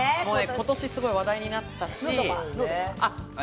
今年すごい話題になったし。